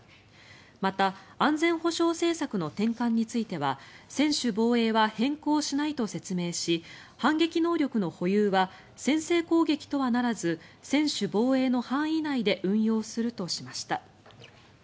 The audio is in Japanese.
また、安全保障政策の転換については専守防衛は変更しないと説明し反撃能力の保有は先制攻撃とはならず専守防衛の範囲内で運用するとしました。